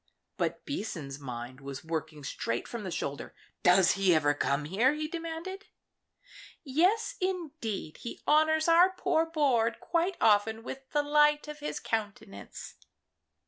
But Season's mind was working straight from the shoulder. "Does he ever come here?" he demanded. "Yes, indeed; he honours our poor board quite often with the light of his countenance."